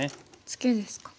ツケですか。